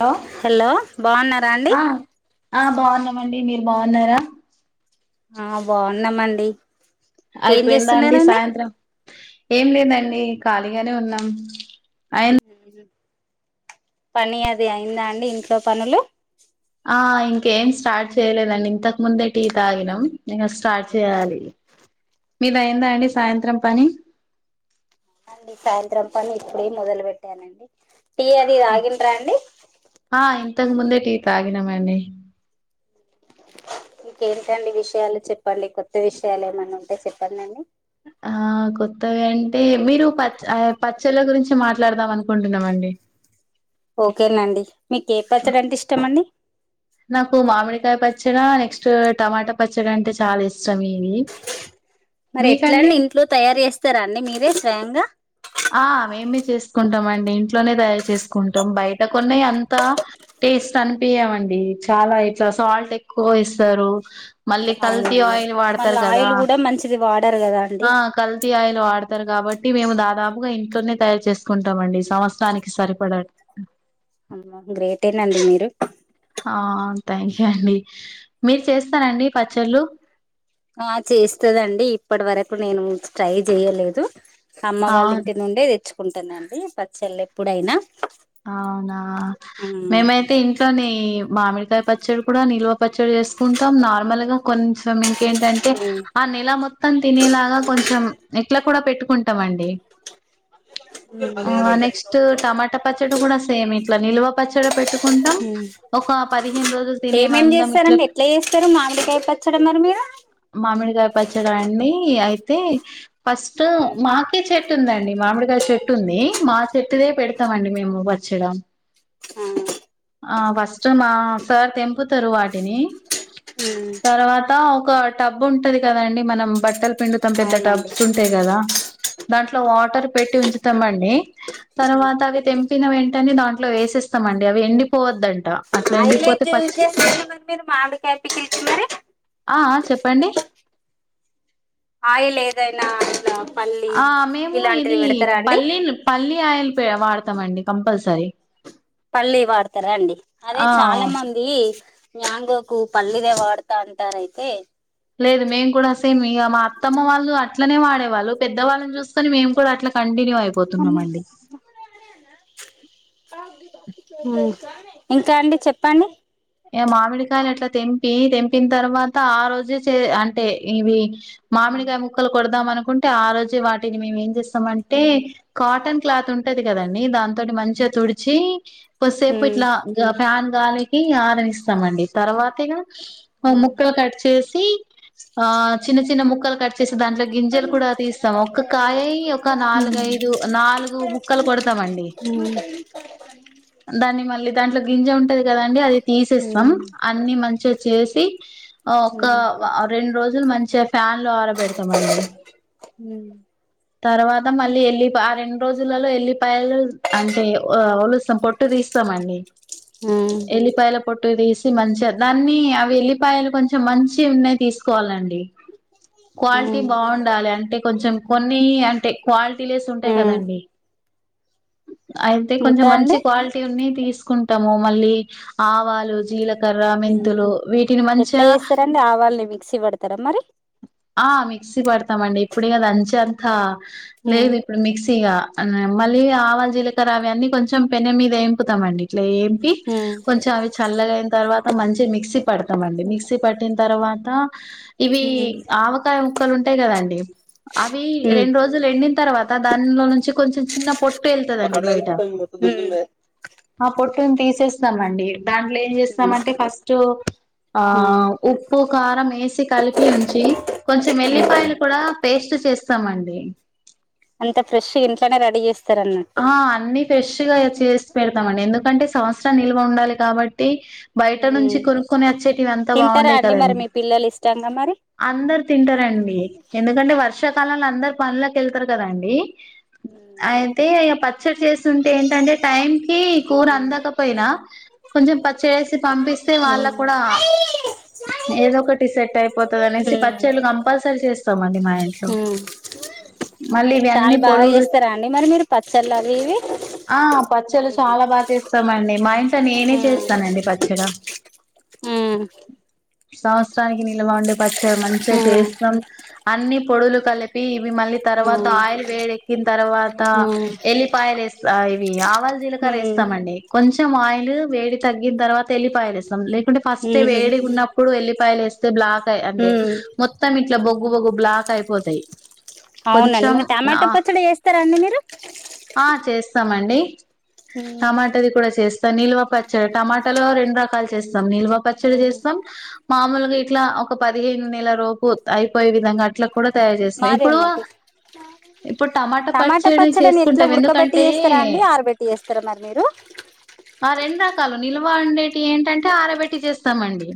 లో హలో బాగున్నారా అండి హా అ బావున్నామండి మీరు బావున్నారా ఆ బావున్నామండి అయిపోయిందా అండి సాయంత్రం ఏం లేదండి ఖాళీగానే ఉన్నాం అయి పని అది అయిందా అండి ఇంట్లో పనులు ఆహ్ ఇంకేం స్టార్ట్ చేయలేదండి ఇంతకు ముందే టీ తాగినం ఇంగ స్టార్ట్ చేయాలి మీదయిందా అండి సాయంత్రం పని హా అండి సాయంత్రం పని ఇప్పుడే మొదలు పెట్టానండి టీ అది తాగిండ్రా అండి ఆ ఇంతకు ముందే టీ తగినం అండి ఇంకేంటండి విషయాలు చెప్పండి కొత్త విషయాలు ఏమన్నా ఉంటే చెప్పండండి ఆహ్ కొత్తవి అంటే మీరు పచ్చ అ పచ్చళ్ళ గురించి మాట్లాడదాం అనుకుంటున్నామండి ఓకేనండి మీక్ ఏ ప్రచ్చడి అంటే ఇష్టమండి నాకు మామిడికాయ పచ్చడ నెక్స్ట్ టమాటా పచ్చడ అంటే చాలా ఇష్టం ఇయి మరి ఎట్లా అండి ఇంట్లో తయారు చేస్తారా అండి మీరే స్వయంగా ఆహ్ మేమే చేసుకుంటాం అండి ఇంట్లోనే తయారు చేసుకుంటాం బయట కొన్నాయ్ అంతా టేస్ట్ అనిపయావండి చాలా ఇట్లా సాల్ట్ ఎక్కువ ఎస్తారు మళ్ళీ కల్తీ అవునండి ఆయిల్ మళ్ళీ వాడతారు కదా ఆయిల్ కూడా మంచిది వాడరు కదా అండి ఆ కల్తీ ఆయిల్ వాడతారు కబ బట్టి మేము దాదాపుగా ఇంట్లోనే తయారు చేసుకుంటామండి సంవత్సరానికి సరిపడ అవునా గ్రేటేనండి మీరు ఆ థ్యాంక్యు అండి మీరు చేస్తరా అండి పచ్చళ్ళు హ చేస్తదండి ఇప్పటి వరకు నేను ట్రై జేయలేదు అమ్మ వాళ్ళ అవున్ ఇంటి నుండే తెచ్చుకుంటానండి పచ్చళ్ళు ఎప్పుడైనా అవునా మ్మ్ మేమైతే ఇంట్లోనే మామిడికాయ పచ్చడి కూడా నిల్వ పచ్చడి చేసుకుంటాం నార్మల్ గా కొంచెం ఇంకేంటంటే ఆ నెల మొత్తం తినేలాగా కొం చం నెక్లెట్ కూడ పెట్టుకుంటామండి ఆ నెక్స్ట్ టమాట పచ్చడ కూడా సేమ్ ఇట్ల నిల్వ పచ్చడ పెట్టు కుంటాం ఒక పదిహేను రోజులు ఏమేం తినేమందం ఇట్ల చేస్తారండి ఎట్లా చేస్తారు మామిడికాయ పచ్చడి మరి మీరు మామిడికాయ పచ్చడ అండి అయి తే ఫస్ట్ మాకే చెట్టు ఉందండి మామిడిగాయ చెట్టు ఉంది మా చెట్టుదే పెడతామండి మేము పచ్చడ హ ఆ ఫస్ట్ మా సార్ తెంపుతరు వాటిని తర్వాత ఒక టబ్ ఉంటది కదండి మనం బట్టలు పిండుతాం పెద్ద అవునండి టబ్స్ ఉంటాయి కదా దాంట్లో వాటర్ పెట్టి ఉంచుతమండి తర్వాత అవి తెంపిన వెంటనే దాంట్లో వేసేస్తము అండి అవి ఎండిపోవద్దంట అట్లా ఎండిపోతే లేట్ పచ్చి జెస్తరు మరి మీరు మామిడి కాయ పికిల్కి మరి ఆ ఆ చెప్పండి ఆయిలేదైనా నా ఆ మేము ఇది పల్లిల్ పల్లీ ఆయిల్ పె వాడతమండి కంపల్సరీ పల్లి వాడతారా అండి అదే ఆ చాలా మంది మ్యాంగోకు పల్లిదే వాడతాంటారయితే లేదు మేం కూడా సేమ్ మీ ఇగ మా అత్తమ్మ వాళ్ళు అట్లనే వాడేవాళ్ళు పెద్ద వాళ్ళని చూసుకొని మేము కూడా అట్లా కంటిన్యూ అయిపోతున్నామండి ఇంకా అండి చెప్పండి ఇగ మామిడికాయలు అట్ల తెంపి తెంపిన తర్వాత ఆ రోజే చే అంటే ఇవి మామిడికాయ ముక్కలు కొడదాం అనుకుంటే ఆ రోజే వాటిని మేమేం చేసామంటే ఉమ్ కాటన్ క్లాత్ ఉంటది కదండి దాంతోటి మంచిగ తుడిచి కోస్సేపు ఉమ్ ఇట్లా గ ఫ్యాన్ గాలికి ఆ నిస్తామండి తర్వాతిన ముక్కలు కట్ చేసి ఆ చిన్న చిన్న ముక్కలు కట్ చేేసి దాంట్లో గింజలు కూడా తీస్తాం ఒక కాయై ఒక నాలుగై నాలుగు ముక్కలు కొడతామండి దాన్ని మళ్ళీ దాంట్లో గింజ ఉంటది కదా తీసేస్తాం ఉమ్ అన్ని మంచిగా చేసి ఒక రెండు రోజులు మంచిగ ఫ్యా న్లో ఆర పెడతామండి ఉ తర్వాత మళ్ళీ ఎళ్ళిప్ ఆ రెండు రోజులలో ఎల్లి పాయలు అంటే వొలుస్తాం పొట్టు తీస్తమండి ఉమ్ ఎల్లిపాయల పొట్టు తీసి మంచిగ దాన్ని ఆ వెల్లిపాయలు కొంచెం మంచి ఉన్నాయి తీసుకోవాలండి క్వాలిటీ బాగుండాలి అంటే కొంచెం కొన్ని అంటే క్వాలిటీ లెస్ ఉంటాయి ఉమ్ కదండి అయితే కొంచెం ఇంకా మంచి అండి క్వాలిటి ఉన్నయి తీసుకుంటము మళ్ళీ ఆవాలు జీల కర్ర ఉమ్ మెంతులు వీటిని ఎట్లా మంచిగ చేస్తారండి ఆవాల్ని మిక్సీ పడతారా మరి ఆ మిక్సీ పడతామండి ఇప్పుడు ఇగ దంచెంతా ఉమ్ లేదు ఇప్పుడు మిక్సీగా మళ్ళీ ఆవల్ జీలకర్ర అవిఅన్నీ కొంచెం పెన మీద వేంపుతామండి ఇట్లఏంపి ఉమ్ కొంచెం అవి చల్లగయిన తర్వాత మంచిగ మిక్సీ పడతామండి మిక్సీ పట్టిన్ తర్వాత ఇవి ఆవకాయ ముక్కలు ఉంటాయి కదండి అవి ఉమ్ రెండు రోజులు ఎండిన తర్వాత దానినుంచి కొంచెం చిన్న పొట్టు వెళ్తదండి బయట పొద్దున్నే ఎల్లిన్ [inaudible] ఆ పొట్టుని తీసేస్తాం అండి దాంట్లో ఏం చేస్తామంటే ఫస్ట్ ఆ ఉమ్ ఉప్పు కారం ఏసి కలిపి ఉంచి కొంచెం ఉమ్ ఏల్లిపాయలు కూడా పేస్ట్ ఏస్తామండి అంత ఫ్రెష్ష్ ఇంట్లోనే రెడీ చేస్త ఆ అన్ని ఫ్రెష్ గా చేసి పెడ్తామండి ఎందుకంటే సంవత్సరం నిల్వ ఉండాలి. కాబట్టి బయట ఉమ్ నుంచి కొనుక్కోని వచ్చేటివంత తింటారా బాగుండేయ్ అండి మరి కదండి. మీ పిల్లలు ఇష్టంగా మరి ఆందర్ తింటారండి ఎందుకంటే వర్షాకాలంలో అందరు పన్లకి ఎళ్తరు కదాండి ఉమ్ అయితే ఇగ పచ్చడి చేస్తుంటే ఏంటంటే టైం కి కూర ఉమ్ అందకపోయినా కొంచెం పచ్చడేసీ పంపిస్తే వాళ్ళ ఉమ్ కూడా ఏదో ఒకటి సెట్ అయిపోతది అనేసి ఉమ్ పచ్చళ్ళు కంపల్సరీ చేస్తమండి మా ఇంట్లో ఉమ్ మళ్ళీ ఇవి అన్నీ చాలా బాగా పొడుగు రిస్క్ చేస్తారా అండి మరి మీరు పచ్చళ్ళు అవి ఇవి ఆ పచ్చళ్ళు చాలా బాగా చేస్ స్తాం అండి మా ఇంట్లో నేనే ఉమ్ చేస్తనండి పచ్చెడ ఉమ్ సంవత్సరానికి నిల్వ వుండే పచ్ చెడ మంచిగా ఉమ్ చేస్తం అన్ని పొడులు కలిపి మళ్ళీ తర్వాత ఉమ్ ఆయిల్ వేడెక్కిన తర్వాత ఉమ్ ఎలిపాయిలేస్ ఆ ఇవి అవ్ ఆవాల్ జీలకర్ర ఉమ్ ఏస్తామండి కొంచెం ఆయిల్ వేడి తగ్గిన తర్వాత ఎల్లిపాయ వేస్తాం లేక్ అంటే ఫస్టే ఉమ్ వేడిగున్నప్పుడు ఎల్లిపాయలు వేస్తే బ్లాక్ ఆ అంటే ఉమ్ మొత్తం ఇట్ల బొగ్ గ్గు బొగ్గు బ్లాక్ అయిపోతాయి అవునండి కొంచెం మరి టమాటా ఆ పచ్చడి చేస్తరా అండి మీరు? ఆ చేస్తమండి. టమాటాది కూడ చేస్ స్తం నిల్వ పచ్చడి టమాటాలో రెండ్రాకాలు చేస్తాం నిల్వ పచ్చడి చేస్తాం మామూలుగ ఇ ఇట్లా ఒక పదిహేను నెల లోపు అయిపోయే విధంగా అట్ల కూడ తయార్చేస్తం మాదే ఇప్పుడూ ఉన్నది ఇప్పుడు టమాటా పచ్ చ్చడి పచ్చడిని ఎట్లా చేసుకుంటాం ఉడకబెట్టి ఎందుకంటే చేస్తారా అండి ఆరబెట్టి చేస్తారా మరి మీరు నిల్వ ఉండేటి ఏంటంటే ఆరబెట్టి చేస్తమండి.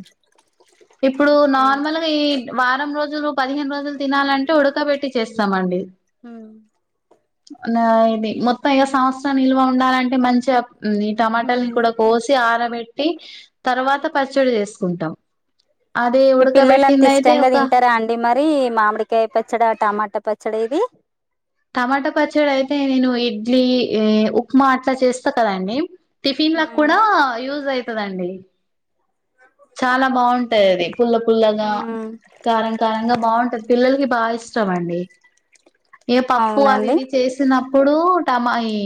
ఇప్పుడు నార్మల్గా ఈ వారం రోజులు పదిహేను రోజులు తినాలంటే ఉడకబెట్టి చేస్తామండి. ఉమ్ నా ఇది మొత్తం ఇక సంవత్సరం నిల్వ ఉండాలంటే మంచిగా ఉమ్ ఈ టమాటాల్ని కూడ కోసి ఆరబెట్టి తర్వాత పచ్చడి చేసుకుంటాం అదే మి పిల్లలంతా ఉడకబెట్టింది అయితే ఇష్టంగా ఒక తింటారా అండి మరి మామిడికాయ పచ్చడ టమాటా పచ్ చ్చడ ఇది టమాటా పచ్చడైతే నేను ఇడ్లీ ఉమ్మ్ ఉక్మ అట్ల చేస్తా కదండి టిఫిన్లలక్ కూడా యూజ్ అయితడండి. చాలా బాగుంటది ఆది పుల్ల పుల్లగా మ్మ్ కారం కారంగా బాగుంటది పిల్లలకి బాగా ఇష్టం అండి ఏ పప్పు అవి అవునండి ఇవి చేసినప్ ప్పుడు టమా ఈ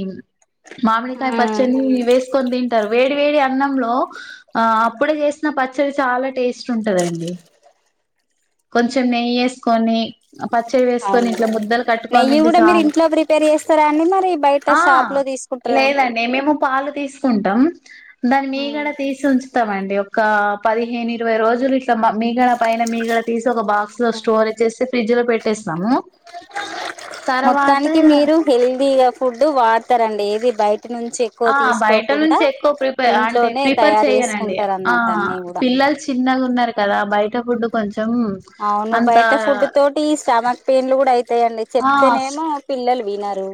మామిడికాయ మ్మ్ పచ్చడిని వేసుకొని తింటరు వేడి వేడి అన్నంలో ఆ అప్పుడే చేస్ న పచ్చడి చాలా టేస్ట్ ఉంటదండి కొంచం నెయ్యి ఏసుకొని అ పచ్చడి వేసుకొని అవును ఇట్ల ముద్దలు కట్టుకొని నెయ్యి తింటే కూడా మీరు సాలు ఇంట్లో ప్రిపేర్ చేస్తారా అండి మరి బయట ఆ షాప్ లో తీసుకుంటారండి లేదండి మేము పాలు తీసుకుంటం దాన్ని మ్మ్ మీగడ తీసి ఉంచుతమండి ఓక్ ఒక ఆ పదిహేను ఇరవై రోజులు ఇట్ ఇట్ల మీగడ పైన మీగడ తీసి ఒక బాక్స్ లో స్టోరేజ్ జేసి ఫ్రిడ్జలో పెట్ పెట్టేస్తాము తర్వాత మొత్తానికి మీరు హెల్దీగా ఫుడ్ వాడతరండి ఏది బైట్ టి నుంచి ఎక్కువ ఆ బయట తీసుకోకుండా నుంచి ఎక్కువ ప్రిపేర్ అంటే ఇంట్లోనే ప్రిఫర్ తయారు చేసుకుంటరు అన్నట్ అన్ని గుడా పిల్లల్ చిన్నగున్నరు కదా బయట ఫుడ్ కొంచ్ అవును బయట ఫుడ్ తోటి స్టమక్ పెయిన్లు కూడా అయితాయండి ఆ చెప్తేనేమో పిల్లల్ వినరు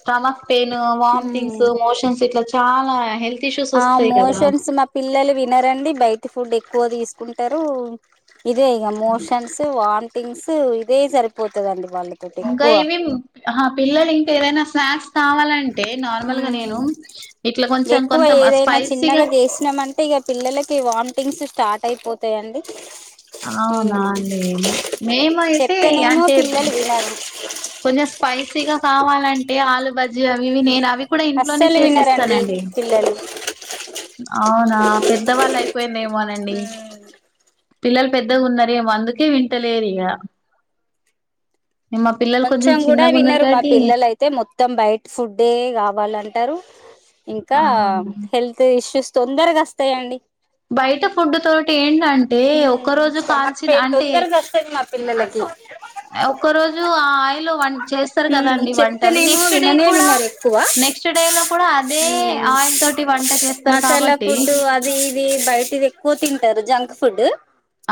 స్టమక్ పెయిన్ వామ్టింగ్స్ ఉమ్ మోషన్స్ ఇట్లా చాలా హెల్త్ ఇష్యూస్ ఆ వస్తాయి కదా మోషన్స్ మా పిల్లలు వినరండి బయట ఫుడ్ ఎక్కువ తీస్ కుంటరు ఇదే ఇగ మోషన్స్ వామ్టింగ్స్ ఇదే సరిపోతాదండి ఇంకా ఏమేం ఆహా పిల్లలు ఇంకా ఏదైన స్నాక్స్ కావాలంటే నార్మల్గా నేను ఉమ్ ఇట్లా కొంచెం ఎక్కువ కొంతమ్ స్పైసిగా క పిల్లలకి వామితింగ్స్ స్టార్ట్ అయిపోతాయండి అవునా ఉమ్ అండి మేముయితే చెప్తేనేమో అంటే పిల్లలు వినరు కొంచెం స్పైసీగ కావాలంటే ఆలు బజ్జి అవివి నేను అవి కూడా ఇంట్లోనే అస్సలు వినరండి చేసిస్తానండి పిల్లలు అవునా పెద్దవాళ్ళు అయిపోయిండేమో నండి ఉమ్ పిల్లలు పెద్దగ ఉన్నారేమో అందుకే వింటలేరు ఇగ మా పిల్లలు కొంచెం గుడ చిన్నగా ఉన్నారు వినరు మా కాబట్టి పిల్లలు అయితే మొత్తం బయట ఫుడ్ ఏ కావాలంటరు ఇంకా అవునా హెల్త్ ఇష్యూస్ తొందరగా అస్తయండి బయట ఫుడ్డు తోటి ఏంటంటే ఒక ఉమ్ రోజు స్టమక్ కాల్చిన పెయిన్ అంటే తొందరగా వస్తది మా పిల్లలకి ఒక రోజు ఆయిలో వంట్ చేస్తారు కదా ఉమ్ అండి వంటలు చెప్తేనేమో నెక్స్ట్ డే విననే కూడా నెక్స్ట్ డే లో కూడ అదే హ్మ్ ఆయిల్ తోటి వంట చేస్తారు మసాలా కాబట్టి ఫుడ్డు అది ఇది బయటిది ఎక్కువ తింటారు జంక్ ఫుడ్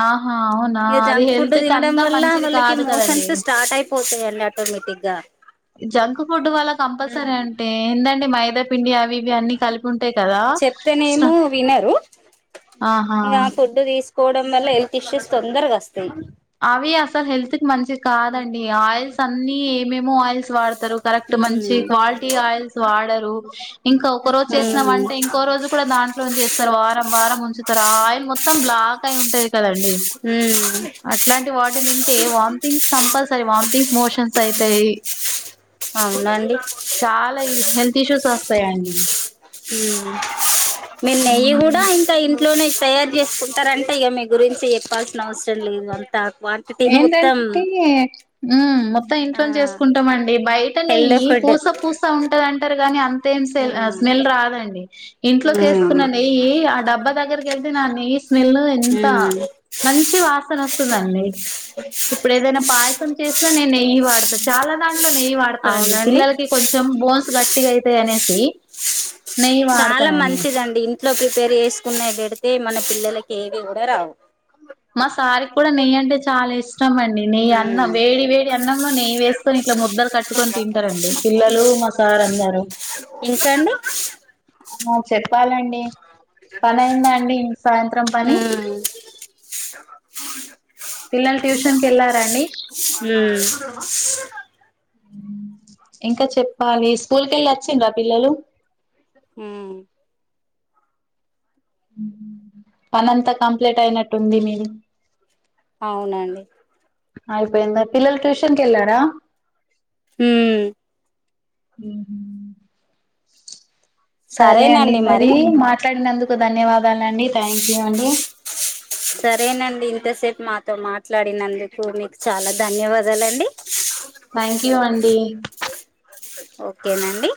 ఆహా అవునా ఇక అది జంక్ ఫుడ్ హెల్త్ కి తినడం అంతా వల్ల మంచిది వాళ్ళకి కాదు కదండి మోషన్స్ స్టార్ట్ అయిపోతాయండి ఆటోమేటిక్ గా జంక్ ఫుడ్ వల్ల కంపల్సరీ అంటే ఏందండి మై ద పిండి అవి ఇవి అన్నీ కలిపి ఉంటాయి కదా చెప్తేనేమో వినరు ఆహా ఇక ఫుడ్ తీసుకోవడం వల్ల హెల్త్ ఇష్యూస్ తొందరగా వస్ అవి అసలు హెల్త్ కి మంచిది కాదండి ఆయిల్స్ అన్ని ఏమేమో ఆయిల్స్ వాడత తరు కరెక్ట్ మంచి ఉమ్ క్వాలిటీ ఆయిల్స్ వాడరు ఇంకా ఒక రోజు చేసిన ఉమ్ వంట ఇంకో రోజు కూడా దాంట్లో నుంచేస్తారు వారం వారం ఉంచుతారు ఆయిల్ మొత్తం బ్లాక్ అయి ఉంటది కదా అండి హ్మ్ అట్లాంటి వాటి తింటే వామితింగ్స్ కంపల్సరీ వామితింగ్స్ మోషన్స్ అయితయి అవునండి చాల హిల్ హెల్త్ ఇష్యూస్ వోస్తాయ్ అండి ఉమ్ మీరు నెయ్యి కూడా ఇంకా ఇంట్లోనే తయారు చేసుకుంటారంటే ఇగ మీ గురించి చెప్పాల్సిన అవసరం లేదు అంతా ఏంద టీ హ్మ్ త ఆ ఇంట్లోన్ చేసుకుంటమండి బయట హెల్త్ నెయ్యి ఫుడ్ పూస పూస ఉంటందింటారు గానీ అంతేం సెల్ ఉమ్ మెల్ రాదండి ఇంట్లో ఉమ్ చేస్తుకున్న నెయ్యి ఆ డబ్బా దగ్గరికి వెళ్తే నా నెయ్యి స్మెల్ ను ఎంత మంచి వాసన వస్తుందండి ఇప్పుడు ఏదైనా పాయసం చేస్తే నేను నెయ్యి వాడతా చాలా దాంట్లో నెయ్యి వాడతానండి అవునండి పిల్లలకి కొంచెం బు బోన్స్ గట్టిగా అయితాయి అనేసి నెయ్యి వ చాలా మంచిదండి ఇంట్లో ప్రిపేర్ చేసుకునేవ్ పెడితే మన పిల్లలకి ఏవి కూడ రావు మా సార్ కి కూడా నెయ్యి అంటే చాలా ఇష్ ష్టం అండి నెయ్యి అన్నం వేడి వేడి అన్నంలో నెయ్యి వేసుకొని ఇట్లా ముద్దలు కట్టుకొని తింటారండి పిల్లలు మా సార్ అందరూ ఇంకండి మ చెప్పాలండి పని అయిందా అండి ఇన్ సాయంత్రం పని పిల్లలు ట్యూషన్ కి ఎల్లారా అండి? ఇంకా చెప్పాలి స్కూల్ కెళ్ళి వచ్చిండ్రా పిల్లలు ఊమ్ పనంతా కంప్లైట్ అయినట్టు ఉంది మీది. అవునండి ఆయిపోయింద పిల్లలు ట్యూషనకెల్లరా హ్మ్ హ్మ్ సరే అండి మరి మాట్లాడినందుకు ధన్యవాద్ సరేనండి ఇంతసేపు మా తో మాట్లాడినందుకు మీకు చాలా ధన్యవాదాలండి. థ్యాంక్ యూ అండి. ఓకేనండి